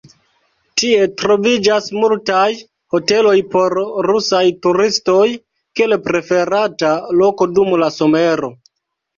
Tie troviĝas multaj hoteloj por rusaj turistoj, kiel preferata loko dum la somero.